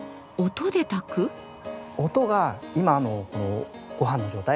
音が今のごはんの状態